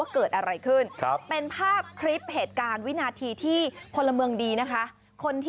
เกิดอะไรขึ้น